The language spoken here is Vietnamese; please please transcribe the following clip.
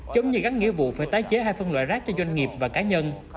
giống như gắn nghĩa vụ phải tái chế hai phân loại rác cho doanh nghiệp và cá nhân